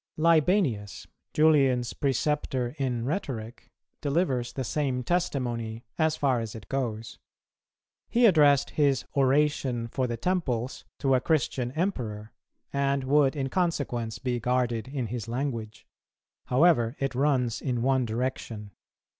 [241:1] Libanius, Julian's preceptor in rhetoric, delivers the same testimony, as far as it goes. He addressed his Oration for the Temples to a Christian Emperor, and would in consequence be guarded in his language; however it runs in one direction.